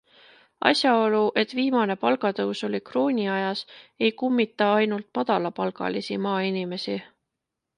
Asjaolu, et viimane palgatõus oli krooniajas, ei kummita ainult madalapalgalisi maainimesi.